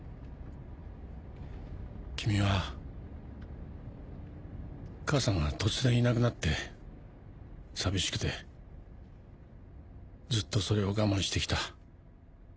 「君は母さんが突然いなくなって寂しくてずっとそれを我慢して来た。